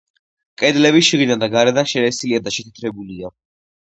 კედლები შიგნიდან და გარედან შელესილია და შეთეთრებულია.